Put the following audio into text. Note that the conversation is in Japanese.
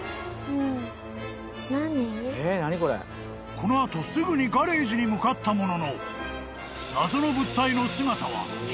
［この後すぐにガレージに向かったものの］